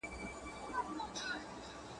خدایه پر لار مو که ګمراه یو بې تا نه سمیږو !.